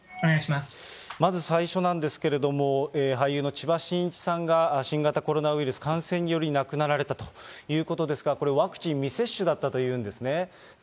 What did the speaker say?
まずさいしょなんですけれども俳優の千葉真一さんが、新型コロナウイルス感染により、亡くなられたということですが、これ、ワクチン未接種だったというんですね。